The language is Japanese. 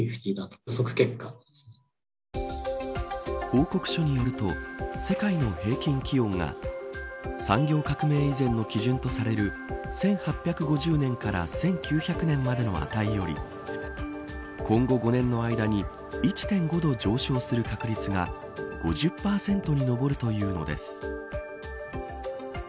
報告書によると世界の平均気温が産業革命以前の基準とされる１８５０年から１９００年までの値より今後５年の間に１．５度上昇する確率が５０％に上るというのです。